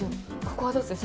ここはどうする？